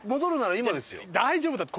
大丈夫だって！